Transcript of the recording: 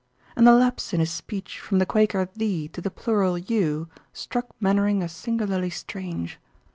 And the lapse in his speech from the Quaker "thee" to the plural "you" struck Mainwaring as singularly strange.